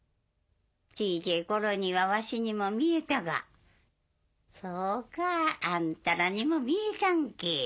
小ちぇ頃にはわしにも見えたがそうかあんたらにも見えたんけ。